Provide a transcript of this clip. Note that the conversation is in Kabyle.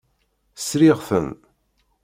Sriɣ-ten.